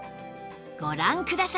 ご覧ください！